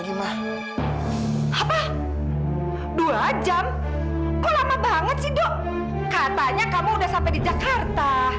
kok lama banget sih dok katanya kamu udah sampai di jakarta